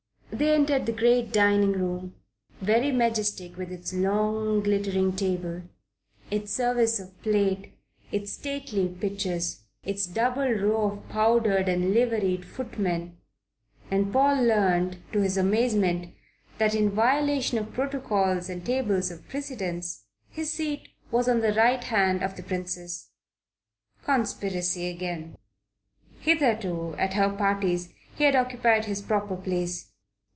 They entered the great dining room, very majestic with its long, glittering table, its service of plate, its stately pictures, its double row of powdered and liveried footmen, and Paul learned, to his amazement, that in violation of protocols and tables of precedence, his seat was on the right hand of the Princess. Conspiracy again. Hitherto at her parties he had occupied his proper place.